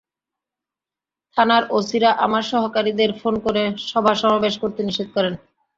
থানার ওসিরা আমার সহকারীদের ফোন করে সভা সমাবেশ করতে নিষেধ করেন।